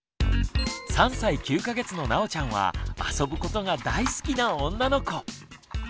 ３歳９か月のなおちゃんは遊ぶことが大好きな女の子。